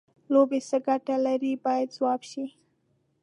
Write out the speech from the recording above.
لوبې څه ګټه لري باید ځواب شي.